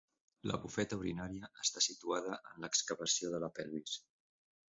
La bufeta urinària està situada en l'excavació de la pelvis.